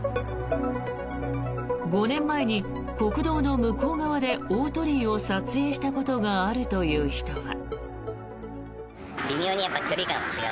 ５年前に国道の向こう側で大鳥居を撮影したことがあるという人は。